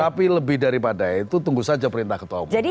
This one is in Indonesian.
tapi lebih daripada itu tunggu saja perintah ketua umum